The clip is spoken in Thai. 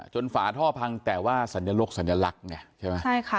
ฝาท่อพังแต่ว่าสัญลกสัญลักษณ์ไงใช่ไหมใช่ค่ะ